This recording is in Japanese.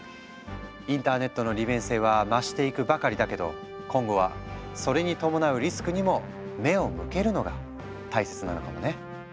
インターネットの利便性は増していくばかりだけど今後はそれに伴うリスクにも目を向けるのが大切なのかもね。